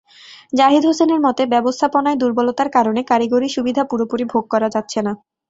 জাহিদ হোসেনের মতে, ব্যবস্থাপনায় দুর্বলতার কারণে কারিগরি-সুবিধা পুরোপুরি ভোগ করা যাচ্ছে না।